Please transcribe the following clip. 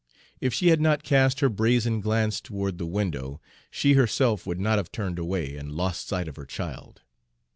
If she had not cast her brazen glance toward the window, she herself would not have turned away and lost sight of her child.